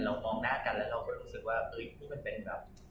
มองหน้ากันแล้วเราก็รู้สึกว่านี่มันเป็นแบบ